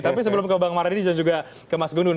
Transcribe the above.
tapi sebelum ke bang mardani juga ke mas gundun